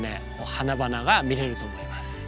花々が見れると思います。